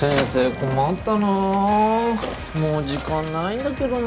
困ったなもう時間ないんだけどな